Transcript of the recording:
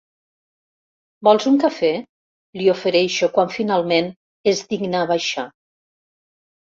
Vols un cafè? —li ofereixo quan finalment es digna a baixar.